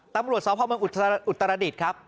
ตำรวจซอฟท์ภาคเมืองอุตราดิษฐ์ครับ